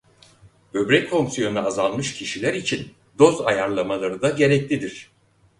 Böbrek fonksiyonu azalmış kişiler için doz ayarlamaları da gereklidir.